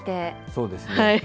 そうですね。